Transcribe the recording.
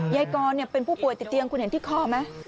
ยายกรเป็นผู้ป่วยติดเตียงคุณเห็นที่คอไหม